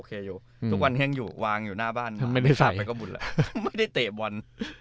ทุกวันแห้งอยู่วางอยู่หน้าบ้านไม่ได้ใส่ไม่ได้เตะวัน